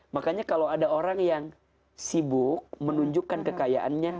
makanya kalau ada orang yang sibuk menunjukkan kekayaannya